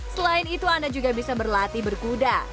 selain itu anda juga bisa berlatih berkuda